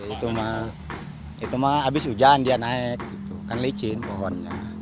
itu mah itu mah habis hujan dia naik gitu kan licin pohonnya